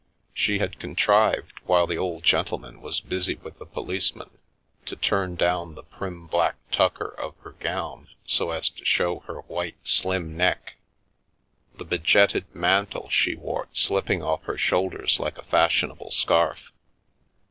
She had contrived, while the old gentleman was busy with the policeman, to turn down the prim black tucker of her gown so as to show her white, slim The Milky Way neck; the be jetted mantle she wore slipping off her shoulders like a fashionable scarf.